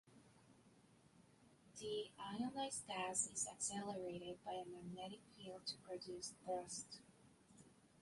The ionized gas is accelerated by a magnetic field to produce thrust.